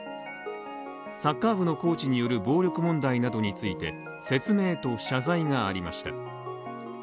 サッカー部のコーチによる暴力問題などについて、説明と謝罪がありました。